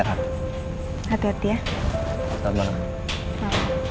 terima kasih banyak om tante